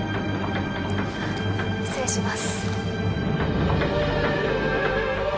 「失礼します」